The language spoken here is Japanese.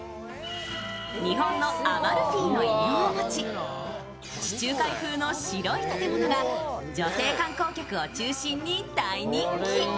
日本のアマルフィの異名を持ち地中海風の白い建物が女性観光客を中心に大人気。